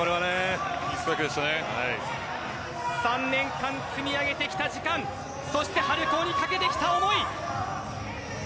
３年間積み上げてきた時間そして春高にかけてきた思い。